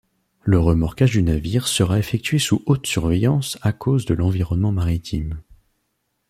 Le remorquage du navire sera effectué sous haute surveillance à cause de l'environnement maritime.